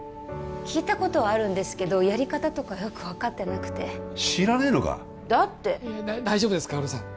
聞いたことはあるんですけどやり方とかよく分かってなくて知らねえのかだって大丈夫です薫さん